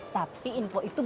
tapi info itu bukan